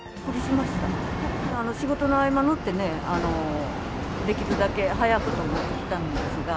仕事の合間縫ってね、できるだけ早くと思って来たんですが。